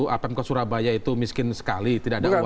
apmk surabaya itu miskin sekali tidak ada uangnya